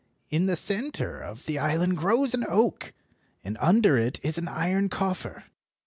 In the centre of the island grows an oak, and under it is an iron coffer.